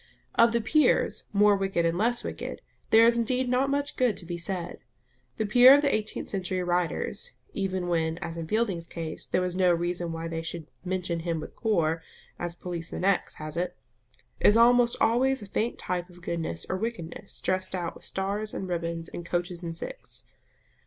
Of the peers, more wicked and less wicked, there is indeed not much good to be said. The peer of the eighteenth century writers (even when, as in Fielding's case, there was no reason why they should "mention him with Kor," as Policeman X. has it) is almost always a faint type of goodness or wickedness dressed out with stars and ribbons and coaches and six.